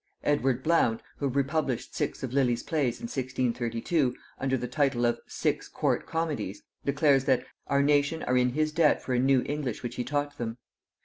Edward Blount, who republished six of Lilly's plays in 1632, under the title of Sixe Court Comedies, declares that 'Our nation are in his debt for a new English which he taught them.